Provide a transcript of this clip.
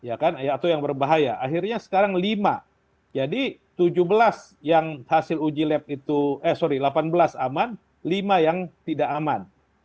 ya kan atau yang berbahaya akhirnya sekarang lima jadi tujuh belas yang hasil uji lab itu eh sorry delapan belas aman lima yang tidak aman